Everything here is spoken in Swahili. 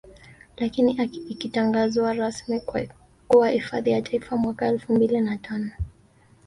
Lakini ikatangazwa rasmi kuwa hifadhi ya Taifa mwaka Elfu mbili na tano